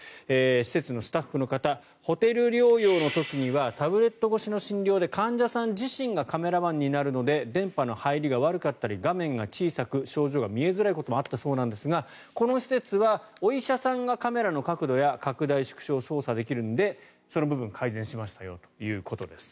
施設のスタッフの方ホテル療養の時にはタブレット越しの診療で患者さん自身がカメラマンになるので電波の入りが悪かったり画面が小さく症状が見えづらいこともあったそうですがこの施設はお医者さんがカメラの角度や拡大・縮小を操作できるのでその部分を改善しましたよということです。